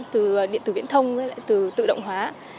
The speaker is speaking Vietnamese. từ điện tử viễn thông từ tự động hóa